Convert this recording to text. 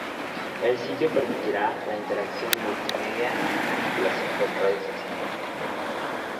El sitio permitirá la interacción multimedia y la vinculación con redes sociales.